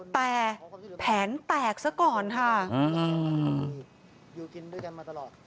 แต่แผนแตกซะก่อนค่ะ